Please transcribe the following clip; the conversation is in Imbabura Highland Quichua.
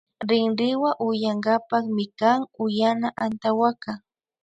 Rinrinwa uyankapak mikan uyana antawaka